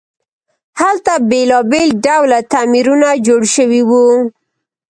هلته بیلابیل ډوله تعمیرونه جوړ شوي وو.